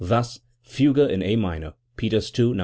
Thus : Fugue in A minor (Peters II, No.